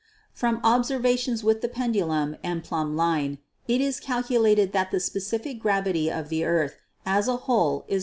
From observations with the pendulum and plumb line it is calculated that the specific gravity of the earth as a whole is 5.